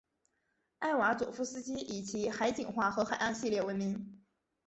艾瓦佐夫斯基以其海景画和海岸系列闻名。